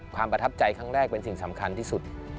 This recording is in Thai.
ประทับใจครั้งแรกเป็นสิ่งสำคัญที่สุด